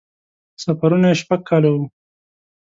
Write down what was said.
سفرونه یې شپږ کاله وو.